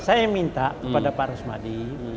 saya minta kepada pak rusmadi